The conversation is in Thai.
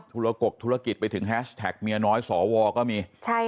ุรกกธุรกิจไปถึงแฮชแท็กเมียน้อยสวก็มี